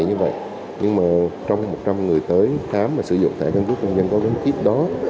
nhưng trong một trăm linh người tới khám sử dụng thẻ căn cước công dân có gắn chip đó